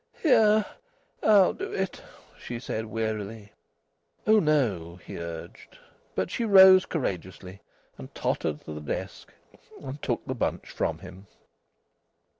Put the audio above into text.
"Here! I'll do it," she said wearily. "Oh no!" he urged. But she rose courageously, and tottered to the desk, and took the bunch from him.